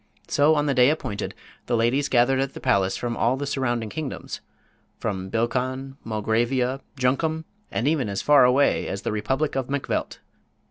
So, on the day appointed, the ladies gathered at the palace from all the surrounding kingdoms—from Bilkon, Mulgravia, Junkum and even as far away as the republic of Macvelt.